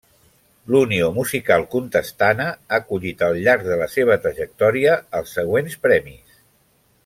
La Unió Musical Contestana ha collit al llarg de la seva trajectòria els següents premis.